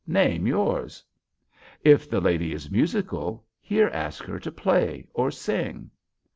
Name yours. If the lady is musical, here ask her to play or sing.